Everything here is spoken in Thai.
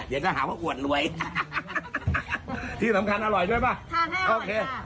เดี๋ยวก็หาว่าอวดรวยที่สำคัญอร่อยด้วยเปล่าค่ะค่ะ